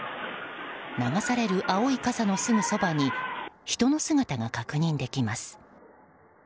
流される青い傘のすぐそばに人の姿が確認できます。